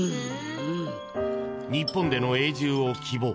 日本での永住を希望。